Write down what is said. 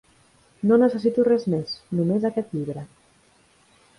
No necessito res més, només aquest llibre.